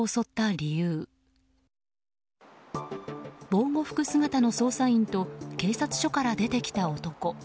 防護服姿の捜査員と警察署から出てきた男。